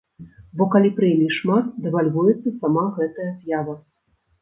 Бо калі прэмій шмат, дэвальвуецца сама гэтая з'ява!